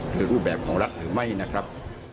คือรูปแบบของรัฐหรือไม่นะครับ